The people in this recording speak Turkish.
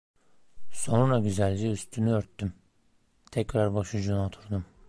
Sonra güzelce üstünü örttüm, tekrar başucuna oturdum.